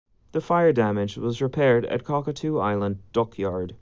The fire damage was repaired at Cockatoo Island Dockyard.